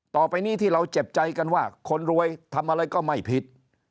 ต่อไปนี้ที่เราเจ็บใจกันว่าคนรวยทำอะไรก็ไม่ผิด